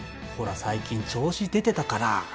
ほら最近調子出てたから。